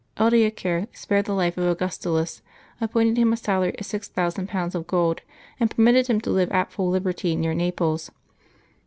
Odoacer spared the life of Augustulus, appointed him a salary of six thousand pounds of gold, and permitted him to live at full liberty near Naples.